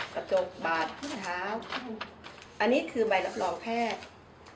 กระจกบาดครึ่งเท้าอันนี้คือใบรับรองแพทย์